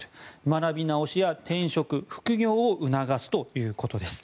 学び直しや転職・副業を促すということです。